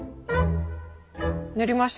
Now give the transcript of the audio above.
塗りました。